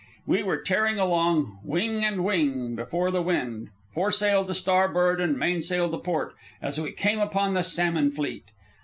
We were tearing along, wing and wing, before the wind, foresail to starboard and mainsail to port, as we came upon the salmon fleet.